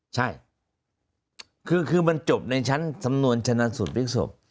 ใช่คือมันจบในชั้นสำนวนชนะสูตรพลิกศพ